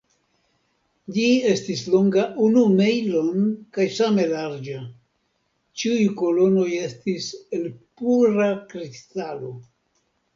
Ĝi estis longa unu mejlon kaj same larĝa; ĉiuj kolonoj estis el pura kristalo.